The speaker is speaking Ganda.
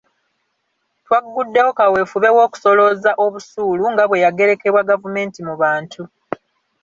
Twagguddewo kaweefube w’okusolooza obusuulu nga bwe yagerekebwa gavumenti mu bantu.